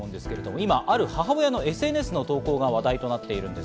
今、ある母親のＳＮＳの投稿が話題となっているんです。